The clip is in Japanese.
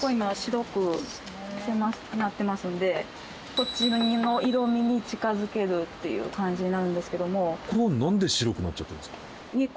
こっちの色味に近づけるっていう感じなんですけども。